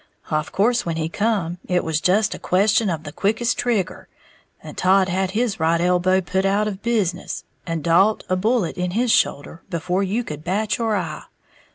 Of course when he come, it was just a question of the quickest trigger; and Todd had his right elbow put out of business, and Dalt a bullet in his shoulder, before you could bat your eye.